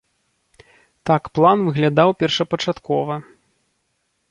Так план выглядаў першапачаткова.